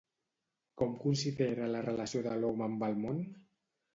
Com considera la relació de l'home amb el món?